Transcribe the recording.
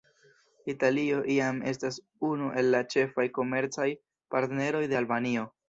Italio jam estas unu el la ĉefaj komercaj partneroj de Albanio.